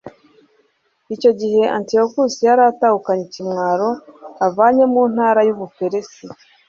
icyo gihe, antiyokusi yari atahukanye ikimwaro avanye mu ntara z'ubuperisi